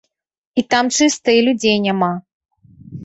І там чыста і людзей няма.